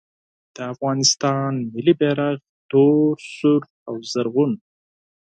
د افغانستان ملي بیرغ تور سور زرغون